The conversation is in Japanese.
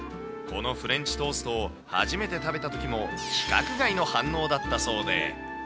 このフレンチトーストを初めて食べたときも、規格外の反応だったそうで。